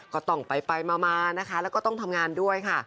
ก็ต้องไปมานะคะแล้วก็ต้องทำงานด้วยค่ะ